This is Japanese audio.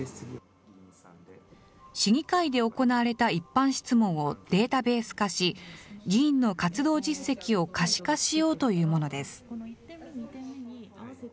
市議会で行われた一般質問をデータベース化し、議員の活動実績を可視化しようというものです。